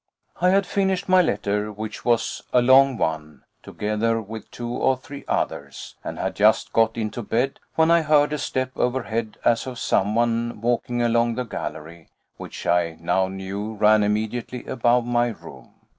I had finished my letter, which was a long one, together with two or three others, and had just got into bed when I heard a step overhead as of someone walking along the gallery, which I now knew ran immediately above my room.